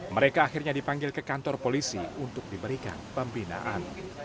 mereka akhirnya dipanggil ke kantor polisi untuk diberikan pembinaan